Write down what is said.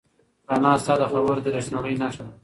رڼا ستا د خبرو د رښتینولۍ نښه ده.